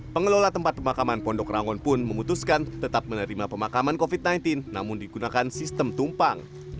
pengelola tempat pemakaman pondok rangon pun memutuskan tetap menerima pemakaman covid sembilan belas namun digunakan sistem tumpang